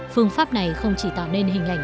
phương pháp này không chỉ tạo nên hình ảnh